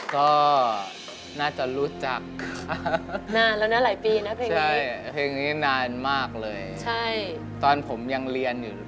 ก็น่าจะรู้จักนานแล้วนะหลายปีนะเพลงนี้เพลงนี้นานมากเลยตอนผมยังเรียนอยู่